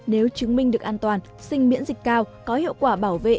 nếu chứng minh được an toàn sinh miễn dịch cao có hiệu quả bảo vệ